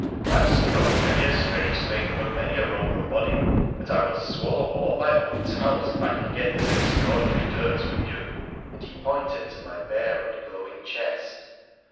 I have scrubbed many a strange thing from many a Eoman body, but I will swallow all my own towels if I can get this extraordinary dirt from you, and he pointed to my bare and glowing chest.